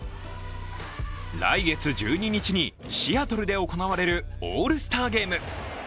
来月１２日に、シアトルで行われるオールスターゲーム。